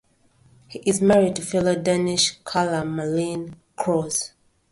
He is married to fellow Danish curler Malene Krause.